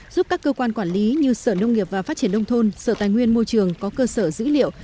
giúp các cơ quan quản lý như sở nông nghiệp và phát triển nông thôn sở tài nguyên môi trường có cơ sở dữ liệu